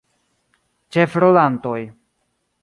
Ĉefrolantoj.